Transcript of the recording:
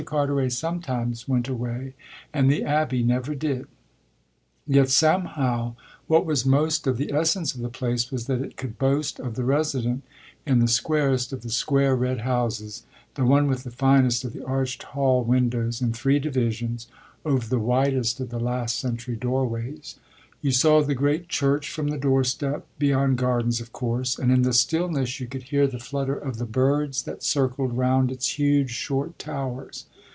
Carteret sometimes went away and the abbey never did; yet somehow what was most of the essence of the place was that it could boast of the resident in the squarest of the square red houses, the one with the finest of the arched hall windows, in three divisions, over the widest of the last century doorways. You saw the great church from the doorstep, beyond gardens of course, and in the stillness you could hear the flutter of the birds that circled round its huge short towers.